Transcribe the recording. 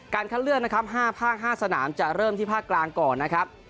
การคันเลือกนะครับห้าภาคห้าสนามจะเริ่มที่ภาคกลางก่อนครับ